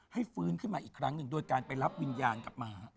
ฟื้นขึ้นมาอีกครั้งหนึ่งโดยการไปรับวิญญาณกลับมา